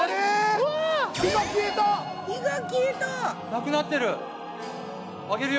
なくなってる！